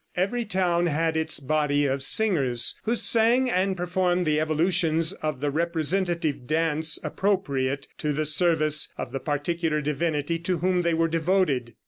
Every town had its body of singers, who sang and performed the evolutions of the representative dance appropriate to the service of the particular divinity to whom they were devoted.